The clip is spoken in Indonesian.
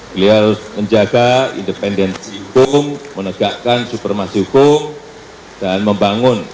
beliau harus menjaga independensi hukum menegakkan supermasi hukum dan membangun